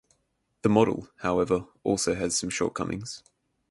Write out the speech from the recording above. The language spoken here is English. The model, however, also has some shortcomings.